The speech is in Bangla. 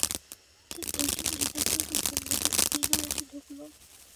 ঠিক এই সময় ইতস্তত ভঙ্গিতে দিনু এসে ঢুকল।